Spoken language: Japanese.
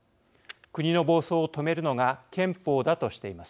国の暴走を止めるのが憲法だ」としています。